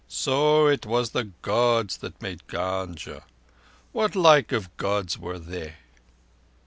So it was the Gods that made Gunga. What like of Gods were they?"